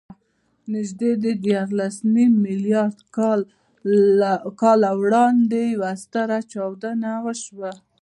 نږدې دیارلسنیم میلیارده کاله وړاندې یوه ستره چاودنه وشوه.